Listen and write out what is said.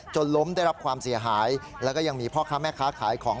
ล้มได้รับความเสียหายแล้วก็ยังมีพ่อค้าแม่ค้าขายของ